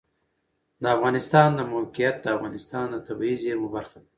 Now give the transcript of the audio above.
د افغانستان د موقعیت د افغانستان د طبیعي زیرمو برخه ده.